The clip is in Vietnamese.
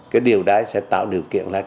cái điều đấy sẽ tạo điều kiện là